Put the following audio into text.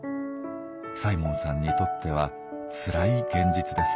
サイモンさんにとってはつらい現実です。